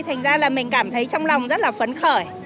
thành ra là mình cảm thấy trong lòng rất là phấn khởi